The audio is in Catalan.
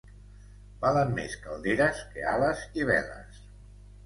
Valen més calderes que ales i veles.